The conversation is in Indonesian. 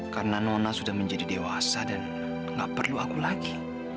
karena nona sudah menjadi dewasa dan gak perlu aku lagi